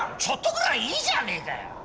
ちょっとぐらいいいじゃねえかよ！